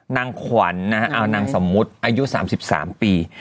นางขวัญอาหารสมมุติอายุ๓๓ปี